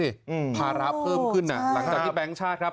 อืมภาระเพิ่มขึ้นอ่ะหลังจากที่แบงค์ชาติครับ